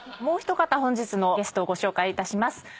もう一方本日のゲストをご紹介いたします。